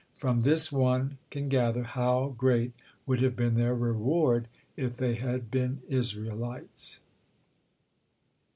From this one can gather how great would have been their reward if they had been Israelites.